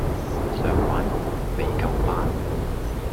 想玩我?未夠班